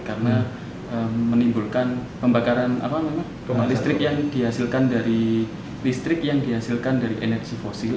karena menimbulkan pembakaran listrik yang dihasilkan dari energi fosil